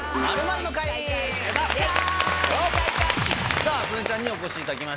さぁ曽根ちゃんにお越しいただきました。